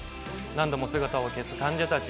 何度も姿を消す患者たち。